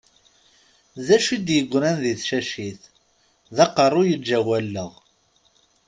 D acu i d-igran di tcacit? D aqerru yeǧǧa wallaɣ.